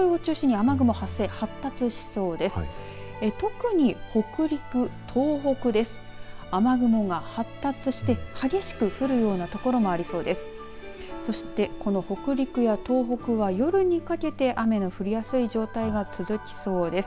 雨雲が発達して、激しく降るような所もありそうです。